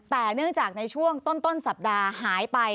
แต่เนื่องจากในช่วงต้นสัปดาห์หายไป